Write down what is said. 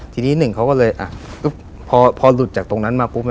ทีนี้หนึ่งเขาก็เลยพอหลุดจากตรงนั้นมาปุ๊บ